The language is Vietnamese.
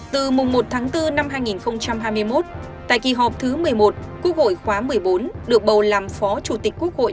từ mùng một tháng bốn năm hai nghìn hai mươi một tại kỳ họp thứ một mươi một quốc hội khóa một mươi bốn được bầu làm phó chủ tịch quốc hội